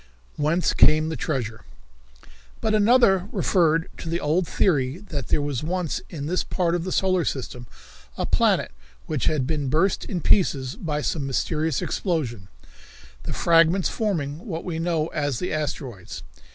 Whence Came the Treasure? But another referred to the old theory that there was once in this part of the solar system a planet which had been burst in pieces by some mysterious explosion, the fragments forming what we know as the asteroids.